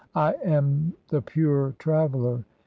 1 65 "I am the pure traveller.